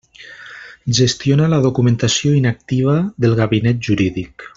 Gestiona la documentació inactiva del Gabinet Jurídic.